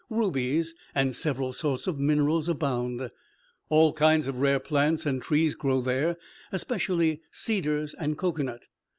Rubies and several sorts of minerals abound. All kinds of rare plants and trees grow there, especially cedars and cocoanut.